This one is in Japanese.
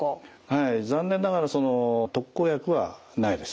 はい残念ながらその特効薬はないです。